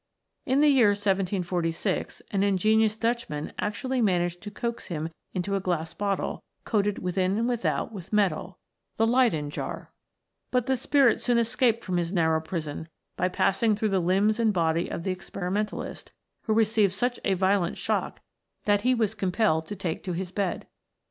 In the year 1746, an ingenious Dutchman actually managed to coax him into a glass bottle, coated within and without with metal,* but the Spirit soon escaped from his narrow prison by passing through the limbs and body of the experimentalist, who re ceived such a violent shock that he was compelled to take to his bed.